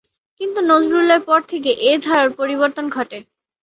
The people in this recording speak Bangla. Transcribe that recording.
কিন্তু নজরুলের পর থেকে এ ধারার পরিবর্তন ঘটে।